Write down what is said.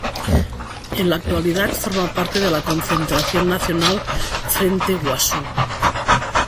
En la actualidad, forma parte de la Concertación Nacional Frente Guasú.